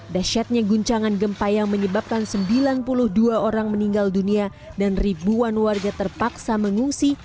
dasyatnya guncangan gempa yang menyebabkan sembilan puluh dua orang meninggal dunia dan ribuan warga terpaksa mengungsi